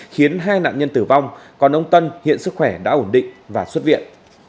khiến hai nạn nhân tử vong còn ông tân hiện sức khỏe đã ổn định và xuất viện